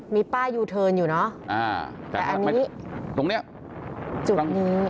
มีป้ายยูเทิร์นอยู่เนอะแต่อันนี้ตรงเนี้ยจุดตรงนี้